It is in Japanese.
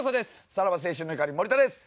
さらば青春の光森田です。